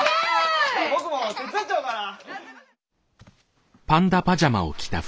僕も手伝っちゃおうかな。